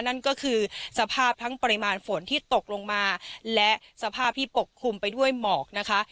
นั่นก็คือสภาพทั้งปริมาณฝนที่ตกลงมาและสภาพที่ปกคลุมไปด้วยหมอกนะคะ